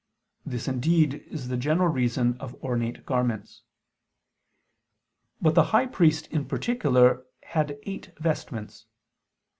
This indeed is the general reason of ornate garments. But the high priest in particular had eight vestments.